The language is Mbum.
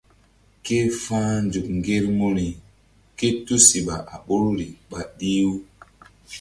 Ke fa̧h nzuk ŋgermuri ké tusiɓa a ɓoru ɓa ɗih-u.